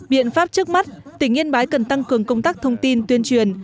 biện pháp trước mắt tỉnh yên bái cần tăng cường công tác thông tin tuyên truyền